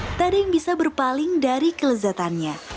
tidak ada yang bisa berpaling dari kelezatannya